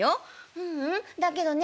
「ううんだけどね